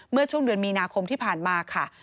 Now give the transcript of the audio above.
เมื่อช่วงเดือนมีนาคมที่ผ่านมาค่ะ